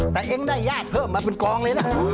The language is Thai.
แต่เองได้ยากเพิ่มมาเป็นกองเลยนะ